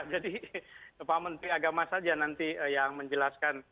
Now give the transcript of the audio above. jadi pak menteri agama saja nanti yang menjelaskan